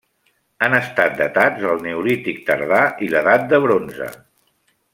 Han estat datats del neolític tardà i l'edat de bronze.